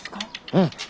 うん。